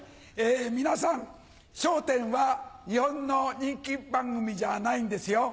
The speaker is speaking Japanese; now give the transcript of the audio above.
皆さん『笑点』は日本の人気番組じゃないんですよ。